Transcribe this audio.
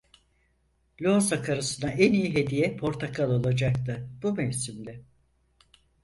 Lohusa karısına en iyi hediye portakal olacaktı, bu mevsimde.